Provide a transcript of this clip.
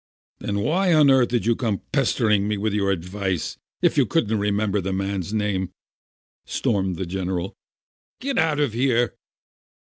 "Then why on earth did you come pestering me with your advice, if you couldn't remember the man's name?" stormed the general. "Get out of here